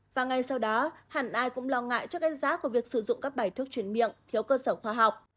và ngay sau đó hẳn ai cũng lo ngại trước đánh giá của việc sử dụng các bài thuốc chuyển miệng thiếu cơ sở khoa học